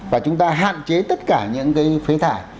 và chúng ta hạn chế tất cả những cái phế thải